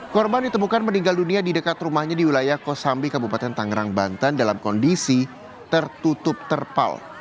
korban ditemukan meninggal dunia di dekat rumahnya di wilayah kosambi kabupaten tangerang banten dalam kondisi tertutup terpal